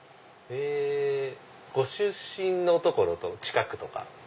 ご出身の所と近くとか。